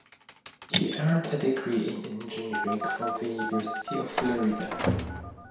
He earned a degree in engineering from the University of Florida.